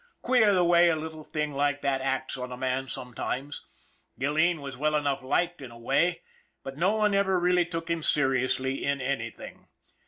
Queer the way a little thing like that acts on a man sometimes. Gilleen was well enough liked in a way, but no one ever really took him seriously in anything.